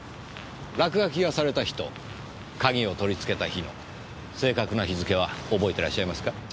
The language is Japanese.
落書きがされた日と鍵を取り付けた日の正確な日付は覚えていらっしゃいますか？